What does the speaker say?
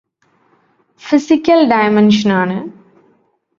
physical ഡയമെൻഷനാണ്